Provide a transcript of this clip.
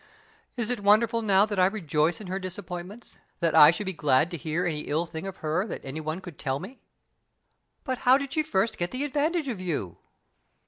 Is it wonderful now that I rejoice in her disappointments that I should be glad to hear any ill thing of her that any one could tell me?" "But how did she first get the advantage of you?"